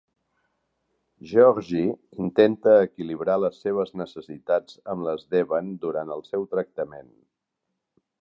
Georgie intenta equilibrar les seves necessitats amb les d'Evan durant el seu tractament.